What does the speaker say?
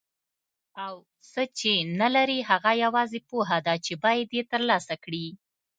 او څه چې نه لري هغه یوازې پوهه ده چې باید یې ترلاسه کړي.